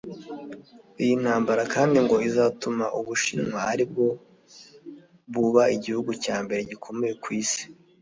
Iyi ntambara kandi ngo izatuma u Bushinwa aribwo buba igihugu cya mbere gikomeye ku isi